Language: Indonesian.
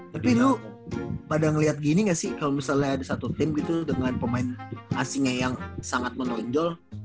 tapi lu pada ngeliat gini gak sih kalau misalnya ada satu tim gitu dengan pemain asingnya yang sangat menonjol